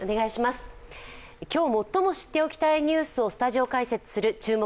今日、最も知っておきたいニュースをスタジオ解説する「注目！